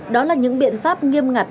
đó là những biện pháp nghiêm ngặt